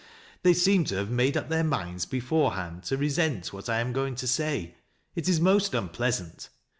They seem to have made up their minds beforehand to resent what I am going to say. It is most unpleasant.